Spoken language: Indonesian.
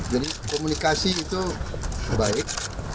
jadi komunikasi itu baik